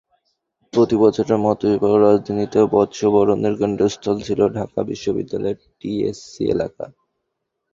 প্রতিবছরের মতো এবারও রাজধানীতে বর্ষবরণের কেন্দ্রস্থল ছিল ঢাকা বিশ্ববিদ্যালয়ের টিএসসি এলাকা।